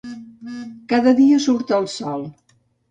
Cada dia surt el sol.